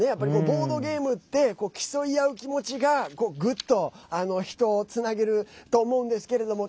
ボードゲームって競い合う気持ちがぐっと人をつなげると思うんですけれども。